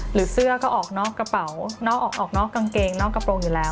หรือเสื้อก็ออกนอกกระเป๋านอกออกนอกกางเกงนอกกระโปรงอยู่แล้ว